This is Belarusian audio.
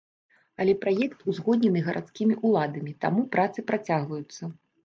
Але праект узгоднены гарадскімі ўладамі, таму працы працягваюцца.